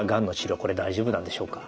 これ大丈夫なんでしょうか？